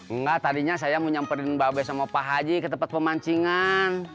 enggak tadinya saya mau nyamperin mbak bei sama pak haji ke tempat pemancingan